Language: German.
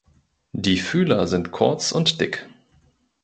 Die Fühler sind kurz und dick.